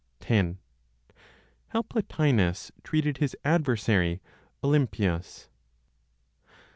X. HOW PLOTINOS TREATED HIS ADVERSARY, OLYMPIUS.